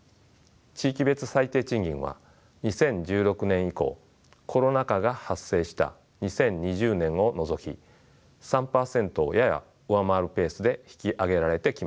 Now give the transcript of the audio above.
地域別最低賃金は２０１６年以降コロナ禍が発生した２０２０年を除き３％をやや上回るペースで引き上げられてきました。